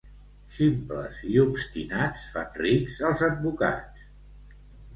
Ximples i obstinats fan rics els advocats.